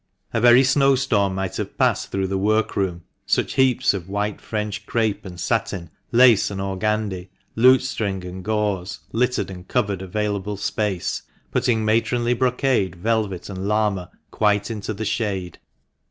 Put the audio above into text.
A very snowstorm might have passed through the workroom, such heaps of white French crape and satin, lace and organdi, lute string and gauze, littered and covered available space, putting matronly brocade, velvet, and llama quite into the shade.